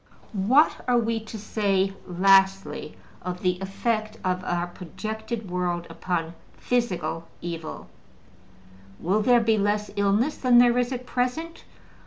What are we to say, lastly, of the effect of our projected world upon physical evil? Will there be less illness than there is at present?